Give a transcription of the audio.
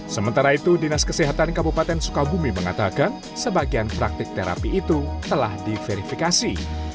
sementara itu dinas kesehatan kabupaten sukabumi mengatakan sebagian praktik terapi itu telah diverifikasi